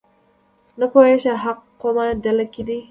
نه پوهېږي حق کومه ډله کې دی.